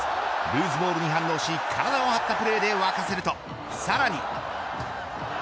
ルーズボールに反応し体を張ったプレーで沸かせるとさらに。